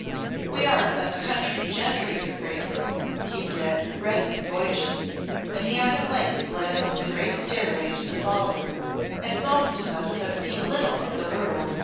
"We are but country gentry, your Grace," he said, reddening boyishly, when he had at length led them up the great stairway to the ball room, "and most of us have seen little of the world.